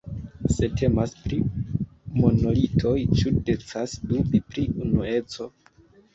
Se temas pri monolitoj, ĉu decas dubi pri unueco?